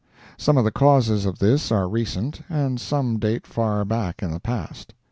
Some of the causes of this are recent, and some date far back in the past.